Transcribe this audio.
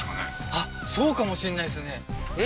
あっそうかもしんないですねえ